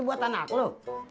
itu buat anak lo